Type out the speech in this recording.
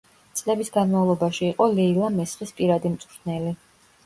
წლების განმავლობაში იყო ლეილა მესხის პირადი მწვრთნელი.